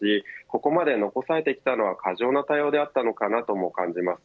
ここまで残されてきたのは過剰な対応であったのかなとも感じます。